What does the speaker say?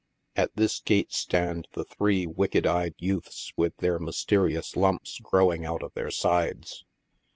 At this gate stand the three wicked eyed youtha with those mysterious lumps growing out of their sides.